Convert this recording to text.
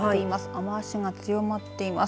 雨足が強まっています。